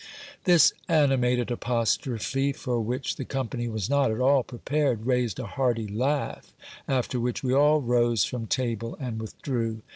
This animated apostrophe, for which the company was not at all prepared, raised a hearty laugh, after which we all rose from table and withdrew.